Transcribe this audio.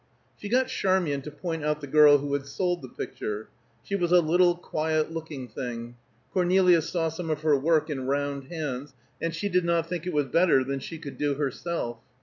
She got Charmian to point out the girl who had sold the picture; she was a little, quiet looking thing; Cornelia saw some of her work in round hands and she did not think it was better than she could do herself.